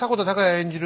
演じる